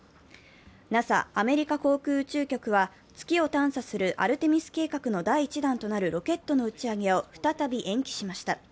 ＮＡＳＡ＝アメリカ航空宇宙局は、月を探査するアルテミス計画の第１弾となるロケットの打ち上げを再び延期しました。